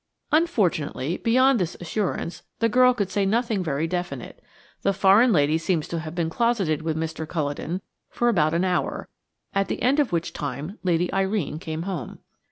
Unfortunately, beyond this assurance the girl could say nothing very definite. The foreign lady seems to have been closeted with Mr. Culledon for about an hour, at the end of which time Lady Irene came home.